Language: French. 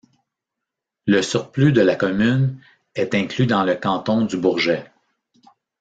Le surplus de la commune est inclus dans le canton du Bourget.